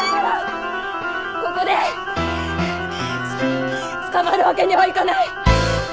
ここで捕まるわけにはいかない！